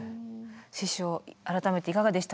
師匠改めていかがでしたか？